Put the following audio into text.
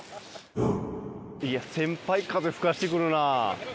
いや先輩風吹かしてくるなぁ。